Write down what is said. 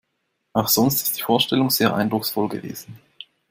Auch sonst ist die Vorstellung sehr eindrucksvoll gewesen.